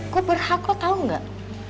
gue berhak lo tau gak